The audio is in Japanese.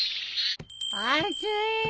暑い。